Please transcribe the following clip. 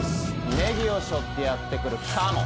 ネギを背負ってやって来るカモ。